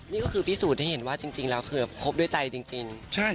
นี่ก็คือพิสูจน์ให้เห็นว่าจริงแล้วคือคบด้วยใจจริง